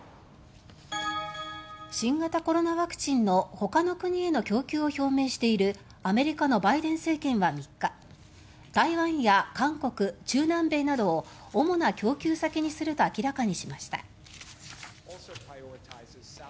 新型コロナワクチンのほかの国への供給を表明しているアメリカのバイデン政権は３日台湾や韓国、中南米などを主な供給先にすると明らかにしました。